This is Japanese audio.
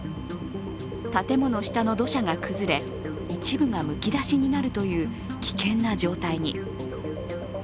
建物下の土砂が崩れ、一部がむき出しになるという危険な状態に。